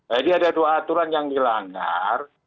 jadi ada dua aturan yang dilanggar